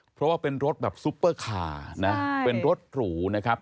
เพราะว่าเป็นรถแบบซุปเปอร์คาร์นะเป็นรถหรูนะครับ